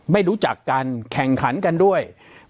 ไม่รู้จักกันแข่งขันกันด้วย